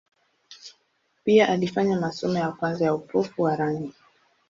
Pia alifanya masomo ya kwanza ya upofu wa rangi.